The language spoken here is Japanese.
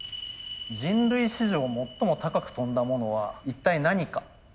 人類史上最も高く飛んだものは一体何か。